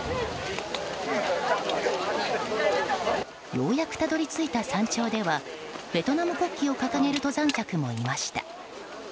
ようやくたどり着いた山頂ではベトナム国旗を掲げる登山客もいました。